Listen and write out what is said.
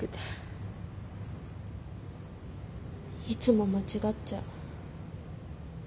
いつも間違っちゃう。